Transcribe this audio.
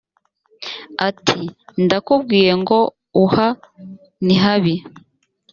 ati ndakubwiye ngo uha nihabi